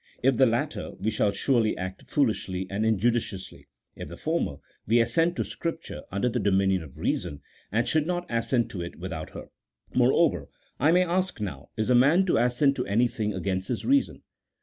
If the latter, we shall surely act fool ishly and injudiciously ; if the former, we assent to Scrip ture under the dominion of reason, and should not assent to it without her. Moreover, I may ask now, is a man to assent to anything against his reason